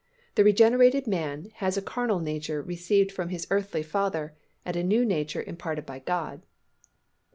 The regenerated man has a carnal nature received from his earthly father and a new nature imparted by God.